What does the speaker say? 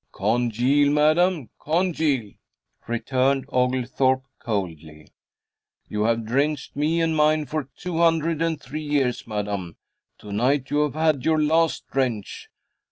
"Congeal, madam, congeal!" returned Oglethorpe, coldly. "You have drenched me and mine for two hundred and three years, madam. To night you have had your last drench."